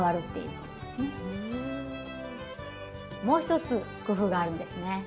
もう一つ工夫があるんですね。